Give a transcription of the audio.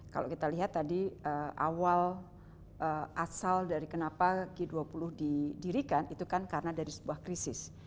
kalau kita lihat tadi awal asal dari kenapa g dua puluh didirikan itu kan karena dari sebuah krisis